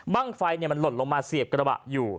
ไฟมันหล่นลงมาเสียบกระบะอยู่